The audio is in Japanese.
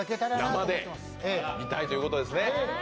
生で見たいということですね。